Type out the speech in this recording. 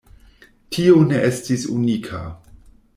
Tio ne estis unika.